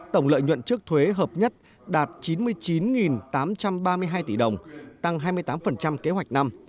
tổng lợi nhuận trước thuế hợp nhất đạt chín mươi chín tám trăm ba mươi hai tỷ đồng tăng hai mươi tám kế hoạch năm